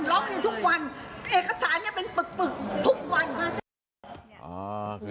ล้องเรียนทุกวันเอกสารเป็นปึกปึกทุกวัน